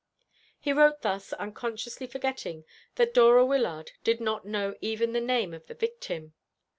He wrote thus, unconsciously forgetting that Dora Wyllard did not know even the name of the victim.